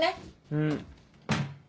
うん。